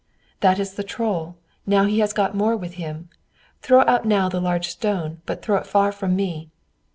"That is the Troll; now he has got more with him; throw out now the large stone, but throw it far from me."